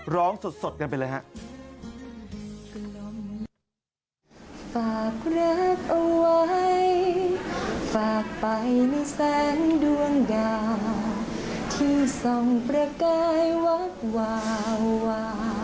ร้องสดกันไปเลยฮะ